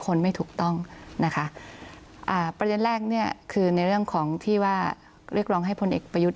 คนไม่ถูกต้องนะคะอ่าประเด็นแรกเนี่ยคือในเรื่องของที่ว่าเรียกร้องให้พลเอกประยุทธ์